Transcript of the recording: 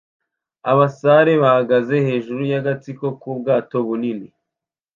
Abasare bahagaze hejuru y'agatsiko k'ubwato bunini